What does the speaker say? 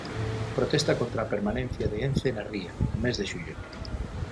Protesta contra a permanencia de Ence na ría, no mes de xullo.